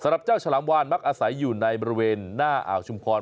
สำหรับเจ้าฉลามวานมักอาศัยอยู่ในบริเวณหน้าอ่าวชุมพร